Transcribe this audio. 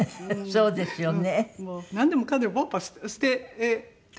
そうですね。